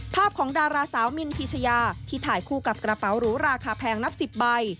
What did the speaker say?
ภาพของดาราสาวมินพิชยาที่ถ่ายคู่กับกระเป๋าหรูราคาแพงนับ๑๐ใบ